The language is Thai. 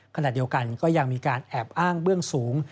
ขณะเดียวกันก็ยังมีการแอบอ้างเบื้องสูง